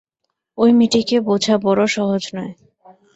ঐ মেয়েটিকে বোঝা বড়ো সহজ নয়।